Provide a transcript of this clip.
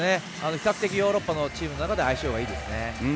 比較的ヨーロッパのチームの中では相性がいいですね。